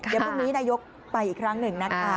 เดี๋ยวพรุ่งนี้นายกไปอีกครั้งหนึ่งนะคะ